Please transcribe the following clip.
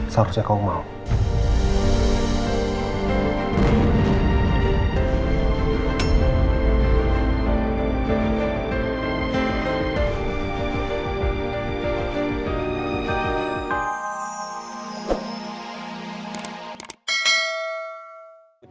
seharusnya kau mau